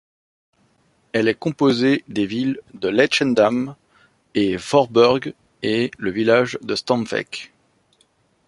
Elle est composée des villes de Leidschendam et Voorburg et le village de Stompwijk.